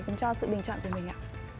cũng cho sự bình chọn của mình ạ